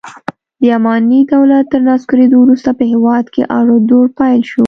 د اماني دولت تر نسکورېدو وروسته په هېواد کې اړو دوړ پیل شو.